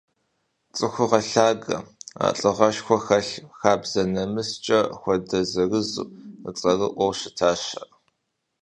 Цӏыхугъэ лъагэ, лӏыгъэшхуэ хэлъу, хабзэ-нэмыскӏэ хуэдэр зырызу, цӏэрыӏуэу щытащ ар.